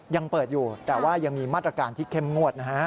ยังเปิดอยู่แต่ว่ายังมีมาตรการที่เข้มงวดนะฮะ